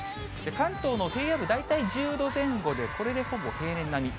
関東の平野部、大体１０度前後で、これでほぼ平年並み。